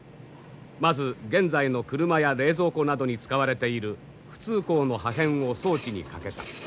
まず現在の車や冷蔵庫などに使われている普通鋼の破片を装置にかけた。